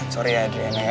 sorry adriana ya